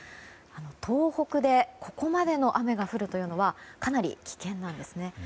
東北でここまでの雨が降るというのはかなり危険なんです。